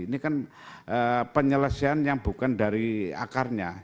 ini kan penyelesaian yang bukan dari akarnya